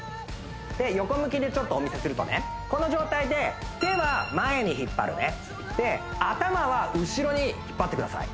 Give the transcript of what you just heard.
横向きでお見せするとねこの状態で手は前に引っ張るねで頭は後ろに引っ張ってください